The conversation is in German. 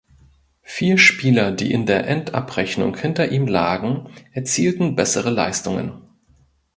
Vier Spieler die in der Endabrechnung hinter ihm lagen erzielten bessere Leistungen.